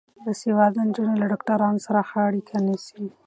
باسواده نجونې له ډاکټرانو سره ښه اړیکه نیسي.